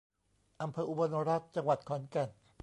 อำเภออุบลรัตน์ จังหวัดขอนแก่น